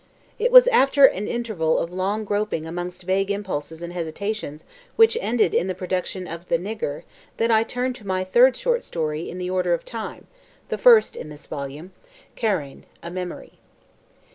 It was after an interval of long groping amongst vague impulses and hesitations which ended in the production of The Nigger that I turned to my third short story in the order of time, the first in this volume: Karain: A Memory.